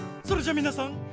それじゃみなさん